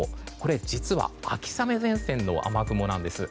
実は秋雨前線の雨雲なんです。